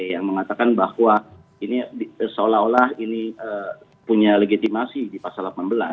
yang mengatakan bahwa ini seolah olah ini punya legitimasi di pasal delapan belas